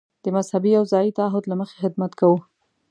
د مذهبي او ځايي تعهد له مخې خدمت کوو.